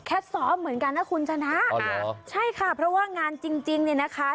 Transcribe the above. ซ้อมเหมือนกันนะคุณชนะใช่ค่ะเพราะว่างานจริงจริงเนี่ยนะคะ